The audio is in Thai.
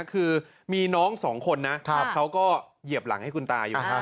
คือมีน้องสองคนนะเขาก็เหยียบหลังให้คุณตาอยู่ข้าง